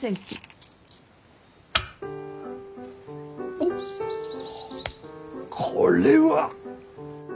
おっこれは。